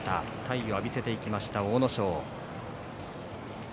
体を浴びせていきました阿武咲。